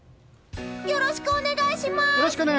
よろしくお願いします！